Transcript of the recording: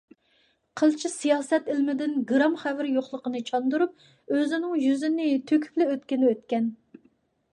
قىلچە سىياسەت ئىلمىدىن گىرام خەۋىرى يوقلۇقىنى چاندۇرۇپ ئۆزىنىڭ يۈزىنى تۆكۈپلا ئۆتكىنى ئۆتكەن.